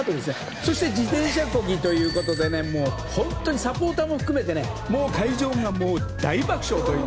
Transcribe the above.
そして自転車こぎということで本当にサポーターも含めて会場が大爆笑という。